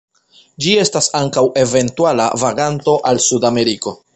Ĝi estas ankaŭ eventuala vaganto al Sudameriko.